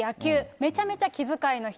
めちゃめちゃ気遣いの人。